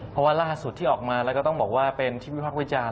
เพราะว่าล่าสุดที่ออกมาแล้วก็ต้องบอกว่าเป็นที่วิพักษ์วิจารณ